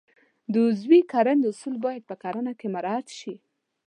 د عضوي کرنې اصول باید په کرنه کې مراعات شي.